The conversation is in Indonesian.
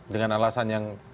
dengan alasan yang